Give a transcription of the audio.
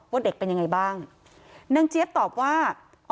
ว่าเด็กเป็นยังไงบ้างนางเจี๊ยบตอบว่า